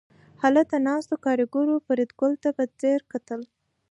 هلته ناستو کارګرانو فریدګل ته په ځیر کتل